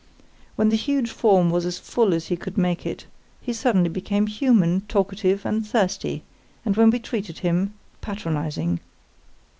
When the huge form was as full as he could make it, he suddenly became human, talkative, and thirsty; and, when we treated him, patronising.